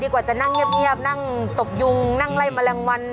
กว่าจะนั่งเงียบนั่งตบยุงนั่งไล่แมลงวัน